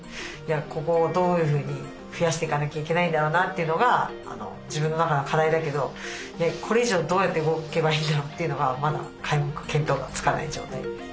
ここをどういうふうに増やしていかなきゃいけないんだろうなというのが自分の中の課題だけどこれ以上どうやって動けばいいんだろうというのがまだ皆目見当がつかない状態です。